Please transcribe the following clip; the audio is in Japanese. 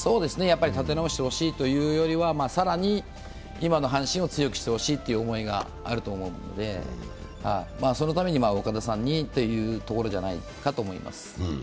立て直してほしいというよりは更に今の阪神を強くしてほしいという思いがあると思うので、そのために岡田さんにというところじゃないかと思います。